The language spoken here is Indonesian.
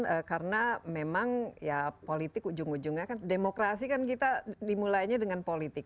karena memang ya politik ujung ujungnya kan demokrasi kan kita dimulainya dengan politik